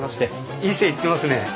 いい線いってますね。